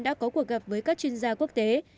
đã có cuộc gặp với các chuyên gia quốc tế